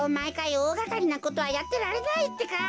おおがかりなことはやってられないってか。